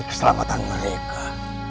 demi keselamatan mereka